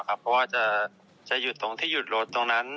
เพราะว่าจะหยุดตรงที่หยุดรถตรงนั้น